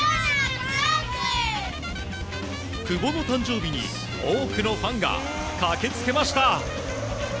久保の誕生日に多くのファンが駆け付けました。